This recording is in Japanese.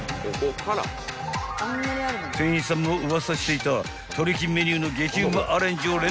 ［店員さんもウワサしていたトリキメニューの激うまアレンジを連発連発］